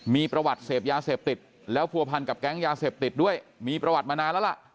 มีประวัติเสพยาเสพติดแล้วผัวพันกับแก๊งยาเสพติดด้วยมีประวัติมานานแล้วล่ะ